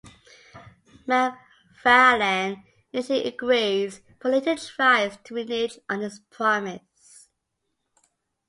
MacFarlane initially agrees, but later tries to renege on his promise.